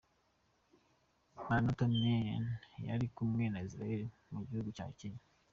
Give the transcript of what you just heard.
Maranatha Men bari kumwe na Israël wo mu gihugu cya Kenya.